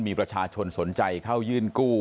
มีประชาชนสนใจเข้ายื่นกู้